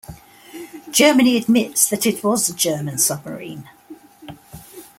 Germany admits that it was a German submarine.